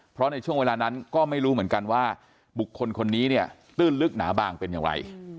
เพราะในช่วงเวลานั้นก็ไม่รู้เหมือนกันว่าบุคคลคนนี้เนี่ยตื้นลึกหนาบางเป็นอย่างไร